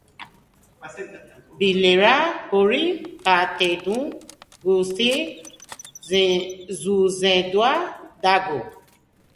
Bilera hori kaltedun guztiei zuzendua dago.